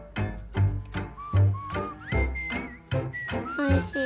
おいしい。